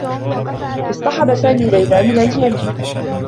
اصطحب سامي ليلى من الجامعة.